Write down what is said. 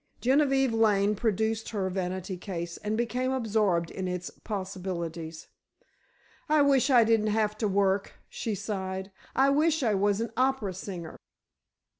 Genevieve Lane produced her vanity case, and became absorbed in its possibilities. "I wish I didn't have to work," she sighed; "I wish I was an opera singer."